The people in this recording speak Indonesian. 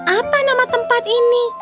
apa nama tempat ini